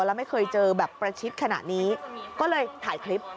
แล้วไม่เคยเจอแบบประชิดขนาดนี้ก็เลยถ่ายคลิป